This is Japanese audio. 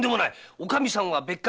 おかみさんは別格。